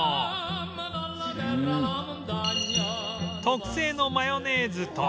特製のマヨネーズと